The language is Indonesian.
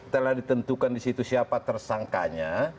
telah ditentukan di situ siapa tersangkanya